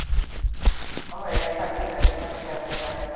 Argi izan ezazue esandakoa.